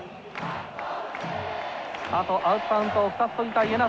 あとアウトカウントを２つ取りたい江夏。